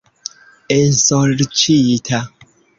Ensorĉita!